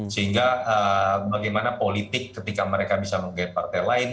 sehingga bagaimana politik ketika mereka bisa menggait partai lain